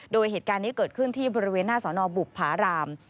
โดยเหตุการณ์นี้เกิดขึ้นที่บริเวณหน้าสอนอบุภาราม